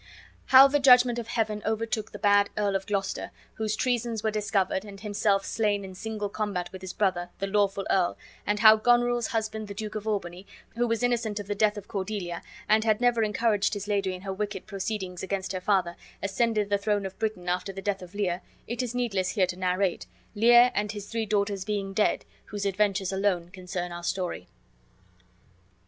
How the judgment of Heaven overtook the bad Earl of Gloucester, whose treasons were discovered, and himself slain in single combat with his brother, the lawful earl, and how Goneril's husband, the Duke of Albany, who was innocent of the death of Cordelia, and had never encouraged his lady in her wicked proceedings against her father, ascended the throne of Britain after the death of Lear, it is needless here to narrate, Lear and his three daughters being dead, whose adventures alone concern our story.